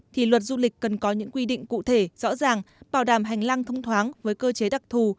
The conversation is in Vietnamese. thì luật du lịch cần có những quy định cụ thể rõ ràng bảo đảm hành lang thông thoáng với cơ chế đặc thù